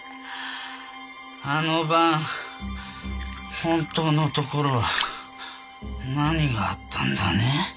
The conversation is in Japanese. あの晩本当のところは何があったんだね？